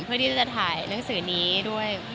เพื่อที่จะถ่ายหนังสือนี้ด้วย